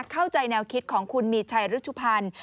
เข้าใจแนวคิดของคุณมีชัยรุชุพันธ์